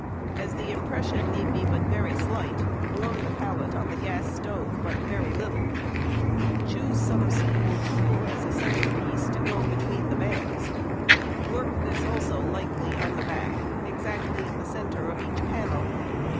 As the impression need be but very slight, warm the pallet on the gas stove but very little. Choose some suitable tool as a centre piece to go between the bands. Work this also lightly on the back exactly in the centre of each panel.